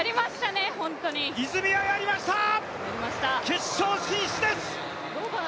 泉谷やりました、決勝進出です！